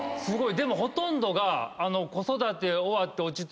でもほとんどが。